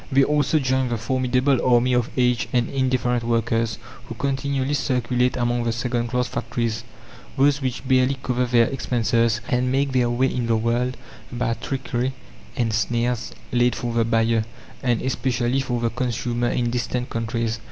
They also join the formidable army of aged and indifferent workers who continually circulate among the second class factories those which barely cover their expenses and make their way in the world by trickery and snares laid for the buyer, and especially for the consumer in distant countries.